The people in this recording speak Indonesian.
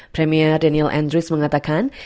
premier daniel andrews mengatakan